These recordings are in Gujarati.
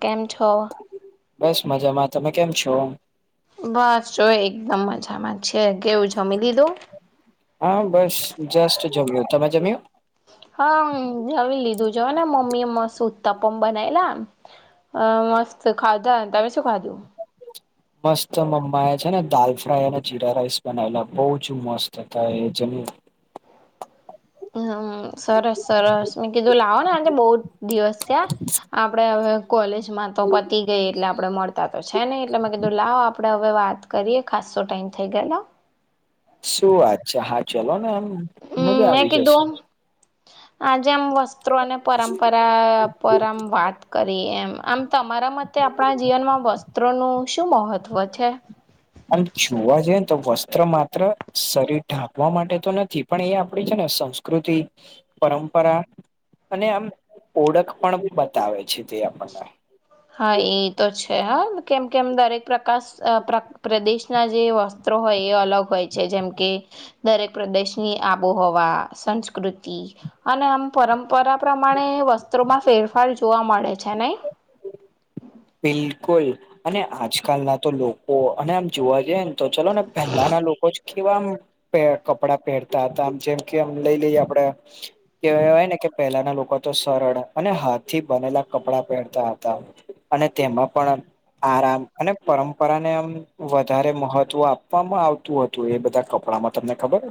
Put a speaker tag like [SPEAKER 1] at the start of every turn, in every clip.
[SPEAKER 1] કેમ છો?
[SPEAKER 2] બસ મજામાં. તમે કેમ છો?
[SPEAKER 1] બસ જો એકદમ મજામાં છે, કેવું જમી લીધું?
[SPEAKER 2] હા, બસ જસ્ટ જમ્યું તમે જમ્યું?
[SPEAKER 1] હા હમ્મ જમી લીધું જોને મમ્મી એ મસ્ત ઉત્તપમ બનાયલા અહ મસ્ત ખાધા તમે શું ખાધું?
[SPEAKER 2] મસ્ત મમ્મા એ છે, ને દાલ ફ્રાય અને જીરા રાઈસ બનાવેલા બહુ જ મસ્ત હતા એ જમ્યું.
[SPEAKER 1] હમ્મ સરસ, સરસ મેં કીધું લાવો ને આજે બઉ દિવસ થયા આપડે હવે કોલેજ તો મા પતી ગઈ એટલે આપડે મળતા તો છે, નઈ એટલે કીધું લાવો આપે. આપણે હવે વાત કરીએ ખાસો ટાઈમ થઈ ગયલો
[SPEAKER 2] શું વાત છે, હા ચલો ને એમ
[SPEAKER 1] હમ
[SPEAKER 2] મજા
[SPEAKER 1] મેં
[SPEAKER 2] આવી જશે.
[SPEAKER 1] કીધું આજે આમ વસ્ત્રો અને પરંપરા પરમ વાત કરી એમ આમ તમારા મતે આપણા જીવનમાં વસ્ત્રોનું શું મહત્ત્વ છે.
[SPEAKER 2] આમ જોવા જઈએ તો વસ્ત્ર માત્ર શરીર ઢાંકવા માટેતો નથી પણ એ આપડી છે, ને સંસ્કૃતિ પરંપરા. અને આમ ઓળખ પણ બી બતાવે છે, તે આપણને
[SPEAKER 1] હા એતો છે, હા કેમ કેમ દરેક પ્રકાશ પ્રદેશના જે વસ્તુ. હોય એ અલગ હોય છે, જેમ કે. દરેક પ્રદેશની આબોહવા સંસ્કૃતિ અને આમ પરંપરા પ્રમાણે વસ્ત્રમાં ફેરફાર જોવા મળે છે, નઈ
[SPEAKER 2] બિલકુલ અને આજકાલ નાતો લોકો અને આમ જોવા જઈને તો ચલોને પહેલાના લોકો જ કેવામ પેર કપડા પહેરતા હતા આમ જેમ કેમ લઈ લઈએ આપડે, કેવાય ને કે પહેલાના લોકોતો સરળ અને હાથથી બનેલા કપડાં પહેરતા હતા, અને તેમાં પણ, આરામ અને પરંપરાને આમ વધારે મહત્વ આપવામાં આવે. તું હતું એ બધા કપડાંમાં તમને ખબર હે.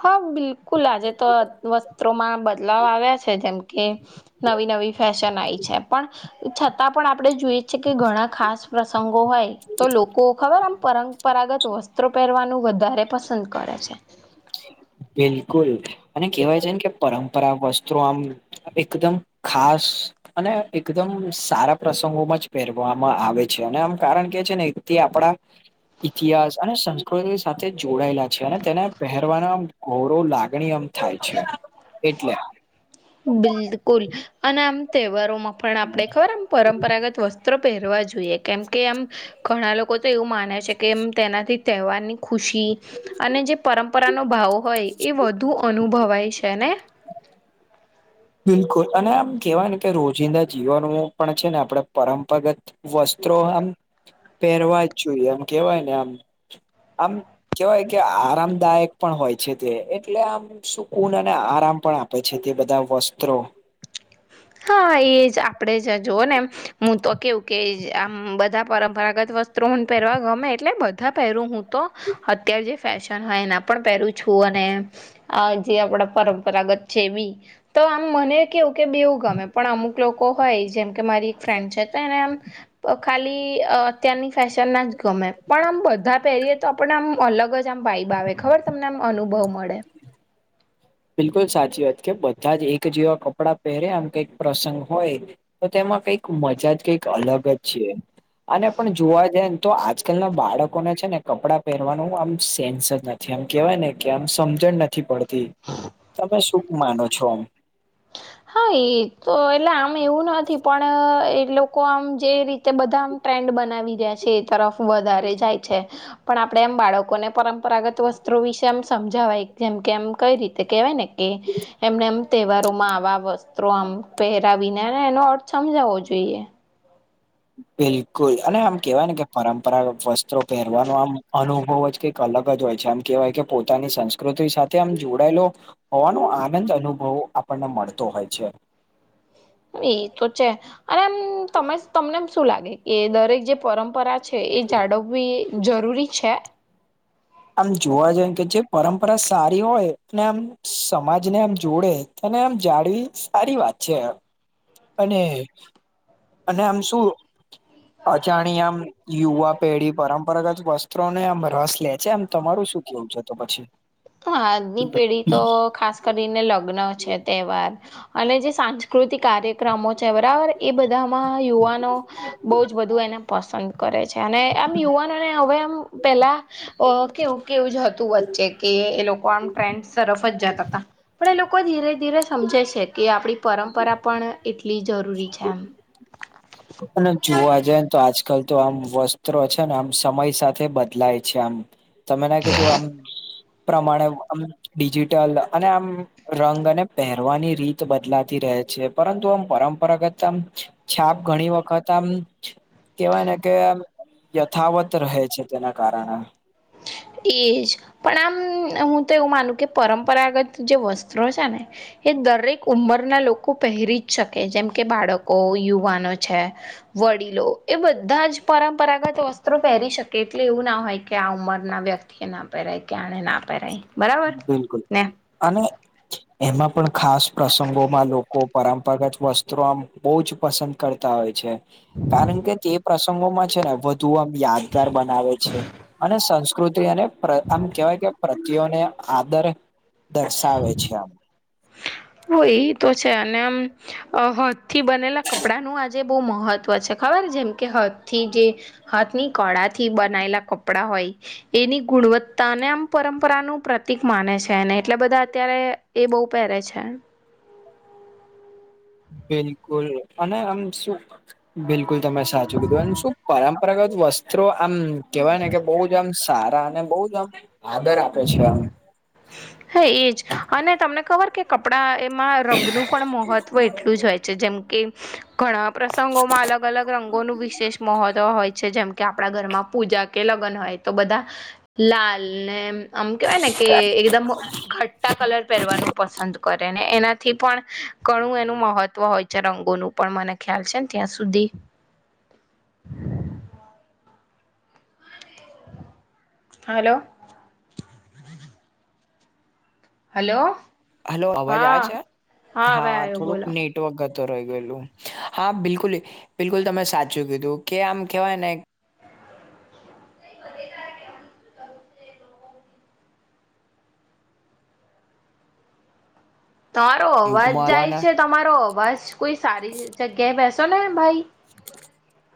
[SPEAKER 1] હા, બિલકુલ આજે તો વસ્ત્રોમાં બદલાવ આવ્યા છે, જેમ કે. નવી, નવી ફેશન આઈ છે, પણ છતાં પણ આપણે જોઈ છે, કે ઘણા ખાસ પ્રસંગો હોય તો લોકો ખબર આમ પર... પરાગત વસ્ત્રો પહેરવાનું વધારે પસંદ કરે છે.
[SPEAKER 2] બિલકુલ, અને કેહેવાય છે ને કે પરંપરા વસ્ત્રુ આમ એકદમ ખાસ. અને એકદમ સારા પ્રસંગોમાં જ પહેરવામાં આવે છે, અને એમ કારણ કે છે ને એકથી આપડા... ઇતિહાસ અને સંસ્કૃતિ સાથે જોડાયેલા છે, અને તેને... પહેરવાના આમ ઘોરો લાગણી આમ થાય છે, એટલે...
[SPEAKER 1] બિલકુલ, અને આમ તહેવારોમાં પણ આપણે ખબર આમ... પરંપરાગત વસ્ત્રો પહેરવા જોઈએ, કેમ કે આમ ઘણા લોકો તો એવું માને છે, કેમ તેનાથી તહેવારની ખુશી. અને જે પરંપરાનો ભાવ હોય, એ વધુ અનુભવાય છે ને.
[SPEAKER 2] બિલકુલ, અને આમ કેહેવાય ને કે રોજિંદા જીવન પણ છે ને આપડે પરંપરાગત વસ્ત્રો આમ પહેરવા જ જોઈએ, આમ કેવાય ને આમ, આમ કેવાય કે આરામદાયક પણ હોય છે, તે એટલે આમ... સુકૂન અને આરામ પણ આપે છે, તે બધા વસ્ત્રો
[SPEAKER 1] હા, એ જ આપણેે જ જોવો ને હું તો કેવું કે આમ બધા પરંપરાગત વસ્તુ... ત્રણ પહેરવા ગમે, એટલે બધા પહેરું હું તો, અત્યાર જે ફેશન હોય એના પણ પહેરું છું, અને... આજે આપડા પરંપરાગત છે, બી તો આમ મને કેવું કે બેવુ ગમે, પણ અમુક લોકો હોય જેમ કે મારી એક ફ્રેન્ડ છે, તો એને એમ ખાલી અત્યારની ફેશનના જ ગમે, પણ આમ બધા પહેરીએ તો આપણે આમ અલગ જ મ ભાઈબ આવે ખબર તમને, આમ અનુભવ મળે...
[SPEAKER 2] બિલકુલ સાચી વાત, કે બધા જ એક જેવા કપડાં પહેરે, આમ કઈક પ્રસંગ હોય. તો તેમાં કઈક મજા જ કઈક અલગ જ છે. અને પણ જોવા જાય ને તો આજકાલ ના બાળકોને છે ને કપડાં પહેરવાનું આમ સેન્સ જ નથી. એમ કેવાય ને કે આમ સમજણ નથી પડતી. તમે શું માનો છો.
[SPEAKER 1] હાં તો એટલે આમ એવું નથી, પણ એ લોકો આમ જે રીતે બધા આ ટ્રેન્ડ બનાવી રહ્યા છે. એ તરફ વધારે જાય છે. પણ આપડે એમ બાળકોને પરંપરાગત વસ્ત્રો વિશે એમ સમજાવાય, જેમ કે એમ કઈ રીતે કેહેવાય ને. કે એમને એમ તહેવારો માં આવા વસ ત્રો આમ પહેરાવીને એનો અર્થ સમજાવવો જોઈએ.
[SPEAKER 2] બિલકુલ અને આમ કેવાય ને કે પરંપરાગત વસ્ત્રો પહેરવાનો આમ અનુભવ જ કે અલગ જ હોય છે, આમ કેવાય કે પોતાની સંસ્કૃતિ સાથે આમ જોડાયેલો હોવાનો આનંદ અનુભવ આપણને મળતો હોય છે.
[SPEAKER 1] હવે એ તો છે, અને એમ તમે તમને એમ શું લાગે કે દરેક જે પરંપરા છ છે એ જાળવવી જરૂરી છે.
[SPEAKER 2] આમ જોવા જઈ કે જે પરંપરા સારી હોય, અને આમ સમાજને આમ જોડે. અને આમ જાળવી સારી વાત છે. અને, અને આમ શું? અજાણી આમ યુવા પેઢી પરંપરાગત વસ્ત્રો ને આમ રસ લે છે, આમ તમારું શું કેવું છે, તો પછી.
[SPEAKER 1] હ, આજની પેઢી તો ખાસ કરીને લગ્ન છે, તહેવાર અને જે સાંસ્કૃતિક કાર્યક્રમો છે, બરાબર. એ બધામાં યુવાનો બહુ જ બધું એને પસંદ કરે છે, અને આમ યુવાનોને હવે આમ પેલા કેવું કેવું જ હતું વચ્ચે કે એ લોકો આમ ટ્રેન્ડસ તરફ જ જતા હતા, પણ એ લોકો ધીરે-ધીરે સમજે છે, કે આપડી પરંપરા પણ એટલી જરૂરી છે.
[SPEAKER 2] અને જોવા જાય ને તો આજકાલ તો આમ વસ્ત્રો છે ને આમ સમય સાથે બદલાય છે આમ. તમે ના કીધું આમ પ્રમાણેમ ડિજિટલ અને આમ રંગ અને પહેરવાની રીત બદલાતી રહે છે. પરંતુ આમ પરંપરાગત આમ છાપ ઘણી વખત આમ કેવાય ને કેમ યથાવત રહે છે તેના કારણે.
[SPEAKER 1] એજ, પણ આમ હું તો એવું માનું કે પરંપરાગત જે વસ્ત્રો છે ને એ દરેક ઉંમરના લોકો પહેરી જ શકે, જેમ કે બાળકો, યુવાનો છે, વડીલો. એ બધા જ પરંપરાગત વસ્ત્રો પહેરી શકે એટલે એવું ના હોય કે આ ઉંમર ના વ્યક્તિએ ના પેરાય કે આણે ના પહેરાય બરાબર
[SPEAKER 2] બિલકુલ,
[SPEAKER 1] ને
[SPEAKER 2] અને એમાં પણ ખાસ પ્રસંગોમાં લોકો પરંપરાગત વસ્ત્રો આમ બઉ જ પસંદ કરતા હોય છે. કારણ કે તે પ્રસંગોમાં છે ને વધ ધુ આમ યાદગાર બનાવે છે. અને સંસ્કૃતિ અને પ્ર આમ કેવાય કે પ્રત્યોને આદર દર્શાવે છે આમ.
[SPEAKER 1] હો ઈ તો છે અને આમ. અ હાથ થી બનેલા કપડાનું આજે બઉ મહત્વ છે. ખબર જેમ કે હાથ થી જે હાથ ની કળાથી બનાયેલા કપડા હોય. એની ગુણવત્તાને આમ પરંપરાનું પ્રતિક માને છે એને એટલે બધા અત્યારે એ બહુ પહેરે છે. [unintelligible]
[SPEAKER 2] બિલકુલ અને આમ શું બિલકુલ તમે સાચું કીધું, અને શું પરંપરાગત વસ્ત્રો આમ. કહેવાય ને કે બહુ જ આમ સારા, અને બહુ જ આમ આદર આપે છે આમ.
[SPEAKER 1] હા એજ. અને તમને ખબર કે કપડાં એમાં રંગનું પણ મહત્ત્વ એટલું જ હોય છે. જેમ કે ઘણા પ્રસંગોમાં અલગ-અલગ રંગોનું વિશેષ મહત્વ હોય છે. જેમ કે આપ પણાં ઘરમાં પૂજા કે લગ્ન હોય તો બધા લાલ ને આમ કહેવાય ને કે એકદમ ઘટ્ટા કલર પહેરવાનું પસંદ કરે. ને એનાથી પણ ઘણું એનું મહત્વ હોય છે રંગોનું પણ મને ખ્યાલ છેન ત્યાં સુધી. હલો. હલો.
[SPEAKER 2] હલો. અવાજ આવે છે?
[SPEAKER 1] હા હવે
[SPEAKER 2] હા
[SPEAKER 1] આવ્યો
[SPEAKER 2] થોડુક
[SPEAKER 1] બોલો
[SPEAKER 2] નેટ વર્ક જતો રહી ગયેલું. હા બિલકુલ-બિલકુલ તમે સાચું કીધું. કે આમ કહેવાય ને
[SPEAKER 1] [inaudible] તારો અવાજ
[SPEAKER 2] યુગમાં
[SPEAKER 1] જાય
[SPEAKER 2] આવવાના
[SPEAKER 1] છે. તમારો અવાજ, કોઈ સારી જગ્યાએ બેસો ને ભાઈ.
[SPEAKER 2] [inaudible]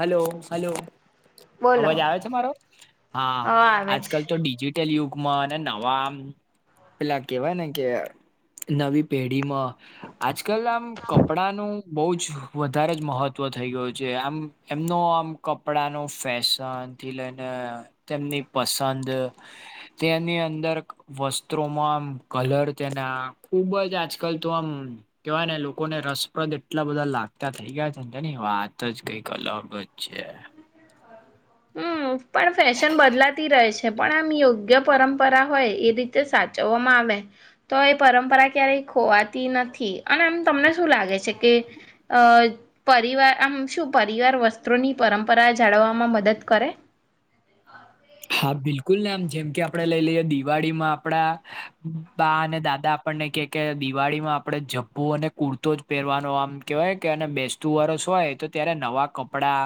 [SPEAKER 2] હલો-હલો.
[SPEAKER 1] બોલો
[SPEAKER 2] અવાજ આવે છે મારો? હા.
[SPEAKER 1] આવે
[SPEAKER 2] આજકાલ તો
[SPEAKER 1] છે
[SPEAKER 2] ડીજીટ ટલયુગમાં અને નવા આમ પહેલા કહેવાય ને, કે નવી પેઢીમાં આજકલ આમ કપડાનું બહું જ વધારે જ મહત્વ થઈ ગયું છે. આમ એમનો આમ કપડા નો ફેશનથી લઈને તેમની પસંદ તેની અંદર વસ્ત્રોમાં આમ કલર તેના ખુબ જ આજકલ તો આમ કહેવાય ને લોકોને રસપ્રદ એટલા બધા લાગતા થઈ ગયા છેન, તેની વાત જ કંઈક અલગ જ છેે.
[SPEAKER 1] હમ્મ. પણ ફેશન બદલાતી રહે છ. છે, પણ આમ યોગ્ય પરંપરા હોય એ રીતે સાચવવામાં આવે. તો એ પરંપરા ક્યારેય ખોવાતી નથી. અને આમ તમને શું લાગે છે કે અહ પરિવાર આમ શું પરિવાર વસ્ત્રોની પરંપરા જાળવવામાં મદદ કરે?
[SPEAKER 2] હા બિલકુલ ને આમ. જેમ કે આપણે લઈ લઈએ દિવાળીમાં આપણા બા અને દાદા આપણને કહે કે, દિવાળીમાં આપણે જભ્ભો અને કુર્તો જ પહેરવાનો, આમ કહેવાય કે એને બેસ તુ વર્ષ હોય તો ત્યારે નવા કપડા,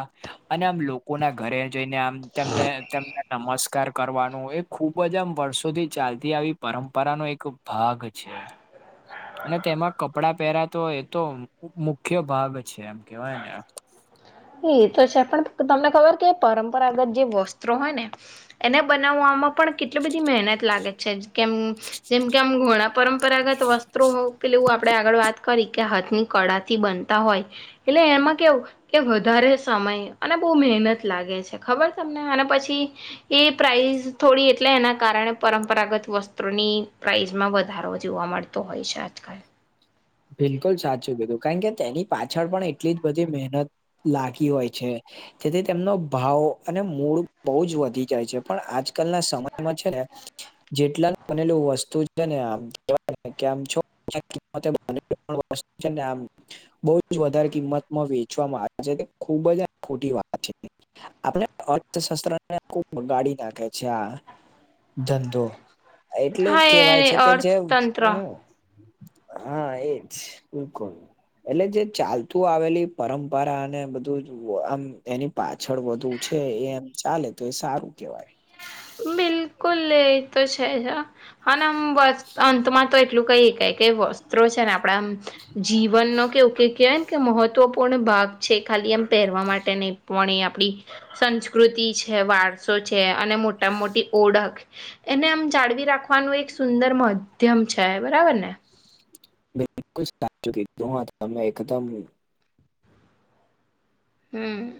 [SPEAKER 2] અને આમ લોક કોના ઘરે જઈને આમ તેમને-તેમને નમસ્કાર કાર કરવાનું એ ખુબ જ આમ વર્ષોથી ચાલતી આવી પરંપરા નો એક ભાગ છે. એ. અને તેમાં કપડાં પહેરાતો હોય તો મુખ્ય ભાગ છે એમ. કહેવાય ને એમ.
[SPEAKER 1] હા એ તો છે. પણ તમને ખબર કે પરંપરાગત જે વસ્ત્રો હોય ને એને બનાવવામાં પણ કેટલી બધી મહેનત લાગે છે. કેમ જેમ કે આમ ઘોણાં પરંપરાગત વસ્ત્રોવ પહેલું આપણે આગળ વાત કરી કે હાથ ની કળાથી બનતા હોય. એટલે એમાં કેવું એ વધારે સમય અને બહુ મહેનત લાગે છે. ખબર તમને? અને પછી એ પ્રાઇઝ થોડી એજ એટલે એના કારણે પરંપરાગત વસ્ત્રોની પ્રાઇઝમાં વધારો જોવા મળતો હોય છે આજકાલ.
[SPEAKER 2] બિલકુલ સાચું કીધું. કારણ કે તેની પાછળ પણ એટલી જ બધી મહેનત લાગી હોય છે. જેથી તેમનો ભાવ અને મૂળ બહુ જ વધી જાય છે. પણ આજકાલના સમયમાં છે ને જેટલા બનેલું વસ્તુ છે ને [inaudible] કિંમતે [inaudible] છે ને આમ બો જ વધારે કિંમતમાં વેચવામાં આવે છે તે ખૂબ જ આ ખોટી વાત છે. આપડા અર્થશાસ્ત્ર ને ખુબ બગાડી નાખે છે આ. ધંધો એટલે જ
[SPEAKER 1] હા
[SPEAKER 2] કેવાય
[SPEAKER 1] એ
[SPEAKER 2] છે કે જે ઉચ
[SPEAKER 1] અર્થતંત્ર
[SPEAKER 2] હા એજ બિલકુલ. એટલે જે ચાલતું આવેલી પરંપરા અને બધું આમ એની પાછળ વધુ છે એ એમ ચાલે તો એ સારું કેવાય.
[SPEAKER 1] બિલકુલ એ તો છે જ હા અને આમ [unintelligible] અંતમાં તો એટલું કય હકાય કે વસ્ત્રો છે ને આપણા આમ
[SPEAKER 2] [unintelligible]
[SPEAKER 1] જીવનનો કેવું કે કેવાય ને કે મહત્વપૂર્ણ ભાગ છે ખાલી એમ પહેરવા માટે નય પણ એ આપડી સંસ્કૃતિ છે, વારસો છે અને મોટા માં મોટી ઓળખ એને આમ જાળવી રાખવાનું એક સુંદર માધ્યમ છે બરાબર ને.
[SPEAKER 2] બિલકુલ સાચું કીધું તમેં એકદમ
[SPEAKER 1] હમમ.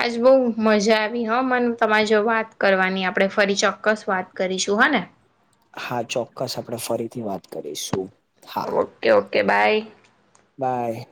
[SPEAKER 1] આજ બો મજા આવી હા મને તમારે જોડે વાત કરવાની આપણે ફરી ચોક્કસ વાત કરીશું હા ને.
[SPEAKER 2] હા ચોક્કસ આપણે ફરીથી વાત કરીશું. હા
[SPEAKER 1] ઓકે ઓકે બાય.
[SPEAKER 2] બાય.